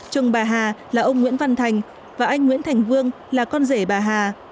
chồng bà hà là ông nguyễn văn thành và anh nguyễn thành vương là con rể bà hà